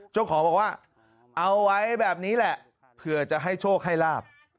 เจ้าของบอกว่าเอาไว้แบบนี้แหละเผื่อจะให้โชคให้ลาบ